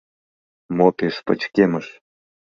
Мо пеш пычкемыш!